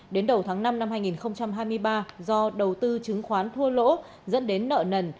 đến đầu tháng năm năm hai nghìn hai mươi ba do đầu tư chứng khoán thua lỗ dẫn đến nợ nần